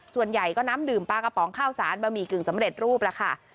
ส่วนใหญ่ก็น้ำดื่มปลากระป๋องข้าวสารบะหมี่กึ่งสำเร็จรูปล่ะค่ะ